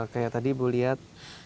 kayak tadi ibu lihat